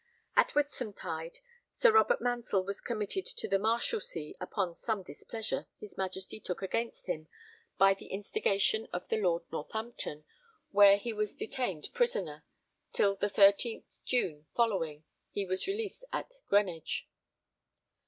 At Whitsuntide Sir Robert Mansell was committed to the Marshalsea, upon some displeasure his Majesty took against him by the instigation of the Lord Northampton, where he was detained prisoner, till the 13th June following [he] was released at Greenwich.